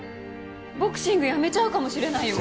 ボクシングやめちゃうかもしれないよ。